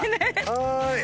はい。